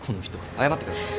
謝ってください。